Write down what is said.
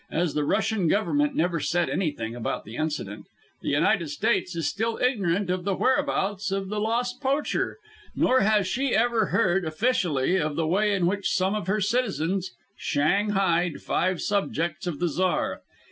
As the Russian government never said anything about the incident, the United States is still ignorant of the whereabouts of the lost poacher, nor has she ever heard, officially, of the way in which some of her citizens "shanghaied" five subjects of the tsar.